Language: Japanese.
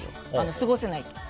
過ごせないって。